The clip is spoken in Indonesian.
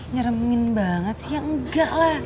nyeremin banget sih yang enggak lah